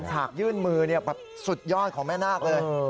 ฉากยื่นมือแบบสุดยอดของแม่นาคเลย